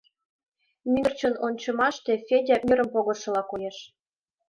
Мӱндырчын ончымаште Федя мӧрым погышыла коеш.